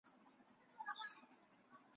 发现藏在古墓中水晶的魔法力量。